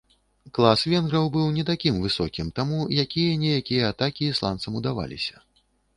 Клас венграў быў не такім высокім, таму якія-ніякія атакі ісландцам удаваліся.